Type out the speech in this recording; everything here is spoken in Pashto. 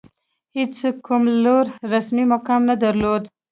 هېڅ کوم لوړ رسمي مقام نه درلود.